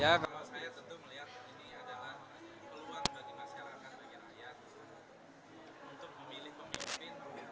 ya kalau saya tentu melihat ini adalah peluang bagi masyarakat bagi rakyat untuk memilih pemimpin